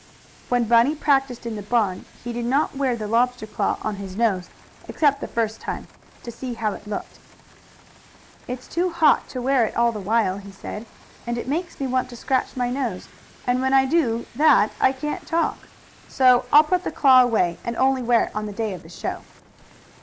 When Bunny practised in the barn he did not wear the lobster claw on his nose, except the first time, to see how it looked. "It's too hot to wear it all the while," he said, "and it makes me want to scratch my nose, and when I do that I can't talk. So I'll put the claw away, and I'll only wear it the day of the show."